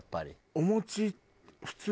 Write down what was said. お餅。